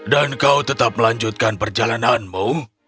dan kau tetap melanjutkan perjalananmu